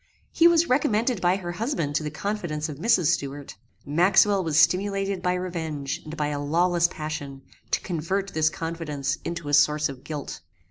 He was recommended by her husband to the confidence of Mrs. Stuart. Maxwell was stimulated by revenge, and by a lawless passion, to convert this confidence into a source of guilt.